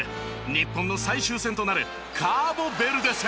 日本の最終戦となるカーボベルデ戦。